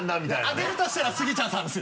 あげるとしたらスギちゃんさんですよ